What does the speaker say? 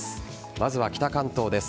まずは北関東です。